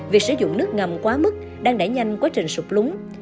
việc sử dụng nước ngầm quá mức đang đẩy nhanh quá trình sụp lúng